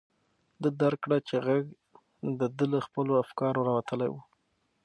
ده درک کړه چې غږ د ده له خپلو افکارو راوتلی و.